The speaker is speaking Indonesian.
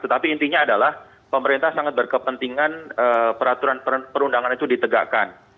tetapi intinya adalah pemerintah sangat berkepentingan peraturan perundangan itu ditegakkan